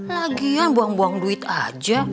lagian buang buang duit aja